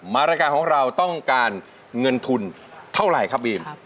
รายการของเราต้องการเงินทุนเท่าไหร่ครับบีม